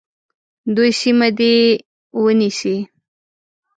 دوی سیمه دي ونیسي.